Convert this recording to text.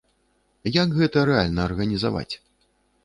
Як гэта рэальна арганізаваць?